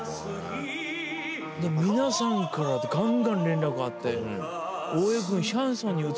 皆さんからがんがん連絡があって。